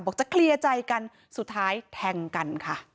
บอกจะคลียร์ใจกันสุดท้ายแทงกัน